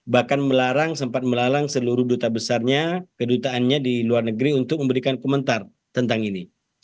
bahkan melarang sempat melarang seluruh duta besarnya kedutaannya di luar negeri untuk memberikan komentar tentang ini